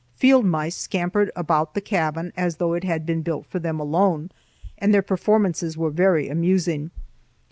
Field mice scampered about the cabin as though it had been built for them alone, and their performances were very amusing.